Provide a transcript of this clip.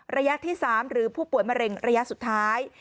ระยะที่๓หรือผู้ป่วยมะเร็งระยะสุดท้าย